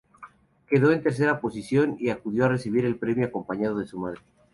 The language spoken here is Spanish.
Quedó en tercera posición, y acudió a recibir el premio acompañado de su madre.